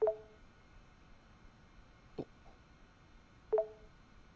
あっ。